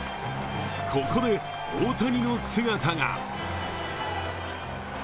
ここで、大谷の姿が。